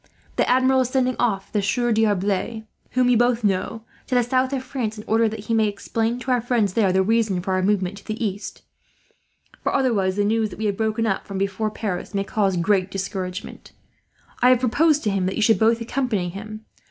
"The Admiral is sending off the Sieur D'Arblay, whom you both know, to the south of France, in order that he may explain to our friends there the reason for our movement to the east; for otherwise the news, that we have broken up from before Paris, may cause great discouragement. I have proposed to him that you should both accompany him.